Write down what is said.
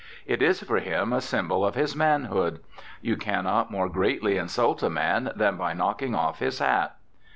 It is for him a symbol of his manhood. You cannot more greatly insult a man than by knocking off his hat.